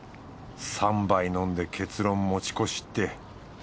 ３杯飲んで結論持ち越しって。